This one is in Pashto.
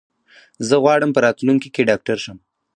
زه غواړم په راتلونکي کې ډاکټر شم.